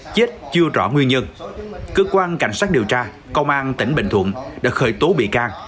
chết chưa rõ nguyên nhân cơ quan cảnh sát điều tra công an tỉnh bình thuận đã khởi tố bị can